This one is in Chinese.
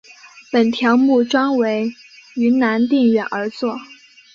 本条目专为云南定远而作。